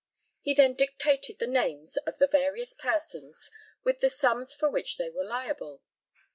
He then dictated the names of the various persons, with the sums for which they were liable.